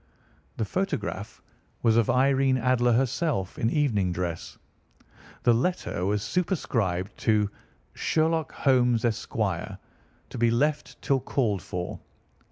The photograph was of Irene Adler herself in evening dress, the letter was superscribed to "Sherlock Holmes, Esq. To be left till called for."